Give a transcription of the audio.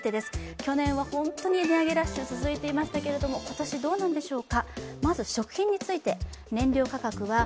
去年は本当に値上げラッシュが続いていましたけれども、今年はどうでしょうか。